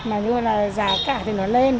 mà như là giá cả thì nó lên